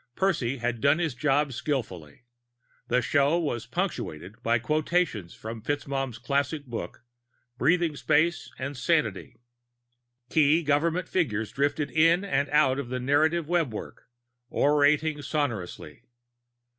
Percy had done his job skillfully. The show was punctuated by quotations from FitzMaugham's classic book, Breathing Space and Sanity. Key government figures drifted in and out of the narrative webwork, orating sonorously.